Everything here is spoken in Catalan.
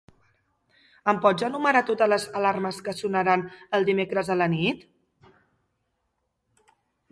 Em pots enumerar totes les alarmes que sonaran el dimecres a la nit?